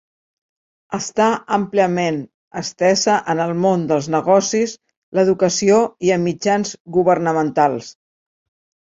Està àmpliament estesa en el món dels negocis, l'educació i en mitjans governamentals.